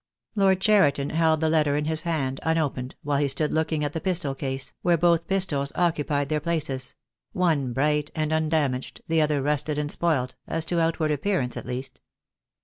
Lord Cheriton held the letter in his hand unopened, while he stood looking at the pistol case, where both pistols occupied their places — one bright and undamaged, the other rusted and spoilt, as to outward appearance at least.